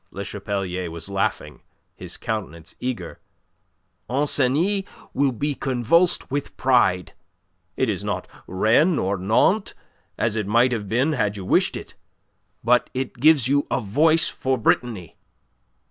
Le Chapelier was laughing, his countenance eager. "Ancenis will be convulsed with pride. It is not Rennes or Nantes, as it might have been had you wished it. But it gives you a voice for Brittany."